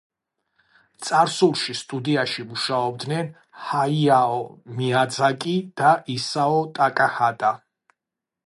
წარსულში სტუდიაში მუშაობდნენ ჰაიაო მიაძაკი და ისაო ტაკაჰატა.